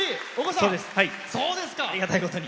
ありがたいことに。